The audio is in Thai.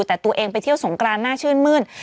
แต่ตัวเองไปเที่ยวสงกรานน่าชื่นมื้น